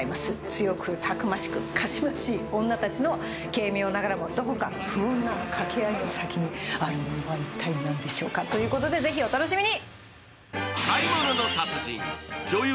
強くたくましく、かしましい女たちの軽妙ながらもどこか不穏な掛け合いの先にあるのは一体何でしょうかということで、ぜひお楽しみに！